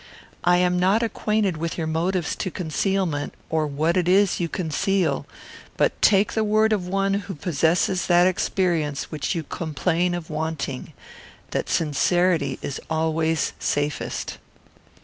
I am not acquainted with your motives to concealment, or what it is you conceal; but take the word of one who possesses that experience which you complain of wanting, that sincerity is always safest."